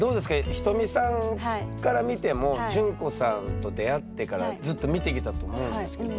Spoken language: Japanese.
ひとみさんから見ても淳子さんと出会ってからずっと見てきたと思うんですけど。